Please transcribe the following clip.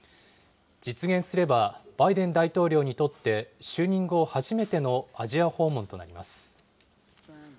実現すればバイデン大統領にとって就任後初めてのアジア訪問となります。